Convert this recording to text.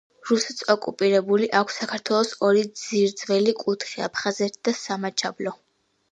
რუსეთს ოკუპირებული აქვს საქართველოს ორი ძირძველი კუთხე - აფხაზეთი და სამაჩაბლო.